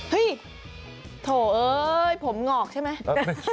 เฮ้ยโถเอ้ยผมหงอกใช่ไหม